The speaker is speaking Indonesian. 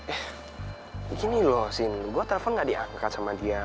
eh gini loh scene gue telepon gak diangkat sama dia